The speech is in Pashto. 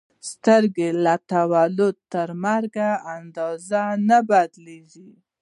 سترګې له تولد تر مرګ اندازه نه بدلېږي.